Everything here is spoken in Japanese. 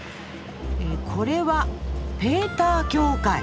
えこれはペーター教会。